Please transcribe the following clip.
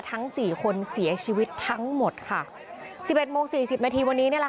ทั้งสี่คนเสียชีวิตทั้งหมดค่ะสิบเอ็ดโมงสี่สิบนาทีวันนี้นี่แหละค่ะ